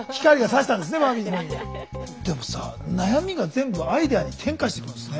でもさ悩みが全部アイデアに転化してくんですね。